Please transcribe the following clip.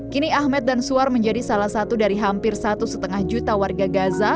kini ahmed dan suar menjadi salah satu dari hampir satu lima juta warga gaza